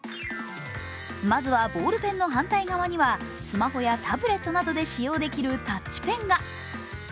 まずはボールペンの反対側にはスマホやタブレットなどで使用できるタッチペンが。